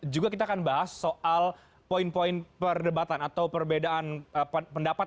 juga kita akan bahas soal poin poin perdebatan atau perbedaan pendapat